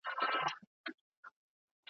¬ په غرمو کې وگټه، په سايو کې وخوره.